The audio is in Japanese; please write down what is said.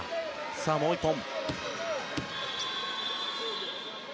さあ、もう１本。